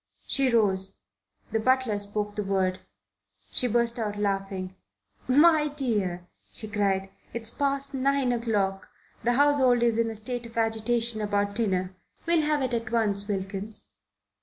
She rose. The butler spoke the word. She burst out laughing. "My dear," she cried, "it's past nine o'clock. The household is in a state of agitation about dinner. We'll have it at once, Wilkins."